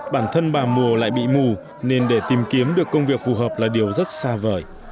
bản thân bà mùa lại bị mù nên để tìm kiếm được công việc phù hợp là điều rất xa vời